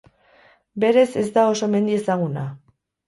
Berez ez da oso mendi ezaguna.